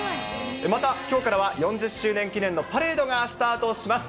また、きょうからは４０周年記念のパレードがスタートします。